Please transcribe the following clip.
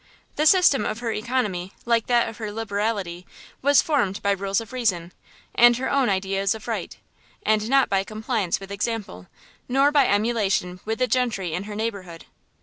The system of her oeconomy, like that of her liberality, was formed by rules of reason, and her own ideas of right, and not by compliance with example, nor by emulation with the gentry in her neighbourhood.